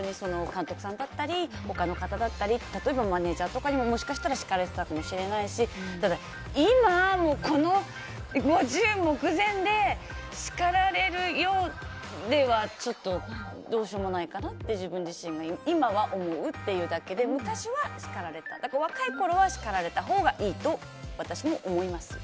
監督さんだったり他の方だったり例えばマネジャーとかにももしかしたら叱られていたかもしれないしただ、今、この５０目前で叱られるようではちょっとどうしようもないかなと自分自身は今は思うっていうだけで昔は叱られた若いころは叱られたほうがいいと思います。